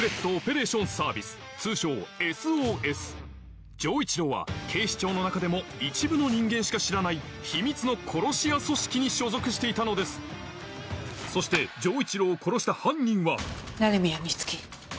通称ＳＯＳ丈一郎は警視庁の中でも一部の人間しか知らない秘密の殺し屋組織に所属していたのですそして丈一郎を殺した犯人は鳴宮美月。